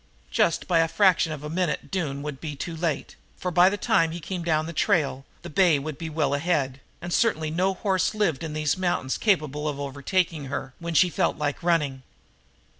Just by a fraction of a minute Doone would be too late, for, by the time he came down onto the trail, the bay would be well ahead, and certainly no horse lived in those mountains capable of overtaking her when she felt like running.